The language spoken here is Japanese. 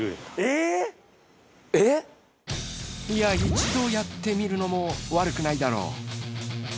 いや一度やってみるのも悪くないだろう。